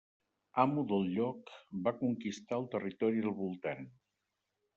Amo del lloc, va conquistar el territori al voltant.